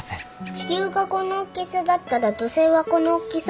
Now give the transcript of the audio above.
地球がこのおっきさだったら土星はこのおっきさ。